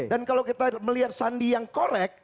dan kalau kita melihat sandi yang korek